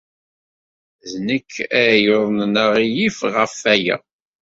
D nekk ay yuḍnen aɣilif ɣef waya.